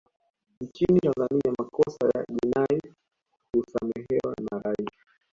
nchini tanzania makosa ya jinai husamehewa na rais